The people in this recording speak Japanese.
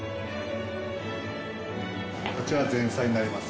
こちら前菜になります。